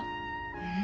うん。